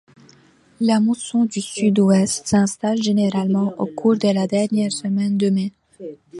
La mousson du sud-ouest s'installe généralement au cours de la dernière semaine de mai.